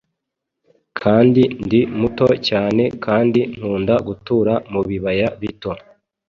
Kandi ndi muto cyane kandi nkunda gutura mubibaya bito